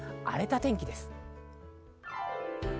荒れた天気です。